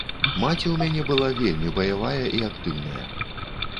Маці ў мяне была вельмі баявая і актыўная.